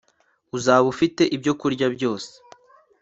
Uzaba ufite ibyokurya byose